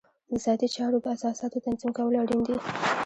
د ذاتي چارو د اساساتو تنظیم کول اړین دي.